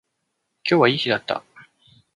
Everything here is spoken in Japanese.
今日はいい日だった